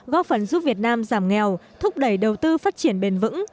góp phần giúp việt nam giảm nghèo thúc đẩy đầu tư phát triển bền vững